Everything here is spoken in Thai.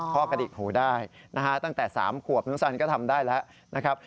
กระดิกหูได้นะฮะตั้งแต่๓ขวบน้องสันก็ทำได้แล้วนะครับ